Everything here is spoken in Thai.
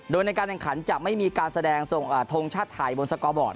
โดยในการแข่งขันจะไม่มีการแสดงทงชาติไทยบนสกอร์บอร์ด